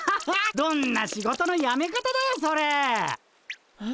どんな仕事のやめ方だよそれ！えっ。